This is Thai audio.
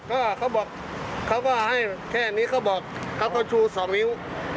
ก็เขาบอกเขาก็ให้แค่นี้เขาบอกเขาก็ชู๒นิ้ว